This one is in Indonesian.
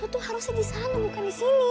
lu tuh harusnya di sana bukan di sini